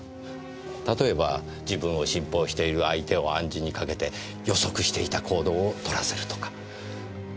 例えば自分を信奉している相手を暗示にかけて予測していた行動をとらせるとか。